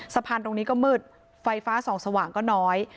สะพานตรงนี้ก็มืดไฟฟ้าส่องสว่างก็น้อย